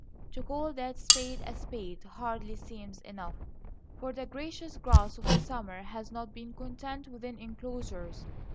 (To call that spade a spade hardly seems enough.) For the gracious grass of the summer has not been content within enclosures.